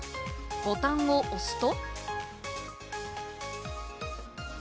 ボタンを押すと。